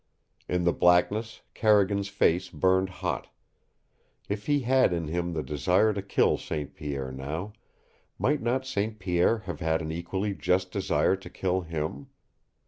In the blackness Carrigan's face burned hot. If he had in him the desire to kill St. Pierre now, might not St. Pierre have had an equally just desire to kill him?